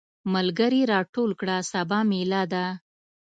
ملګري راټول کړه سبا ميله ده.